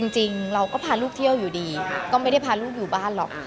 จริงเราก็พาลูกเที่ยวอยู่ดีก็ไม่ได้พาลูกอยู่บ้านหรอก